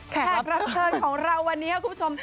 แขกรับเชิญของเราวันนี้คุณผู้ชม